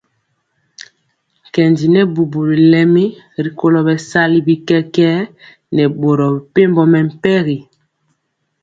Nkendi nɛ bubuli lɛmi rikolo bɛsali bi kɛkɛɛ nɛ boro mepempɔ mɛmpegi.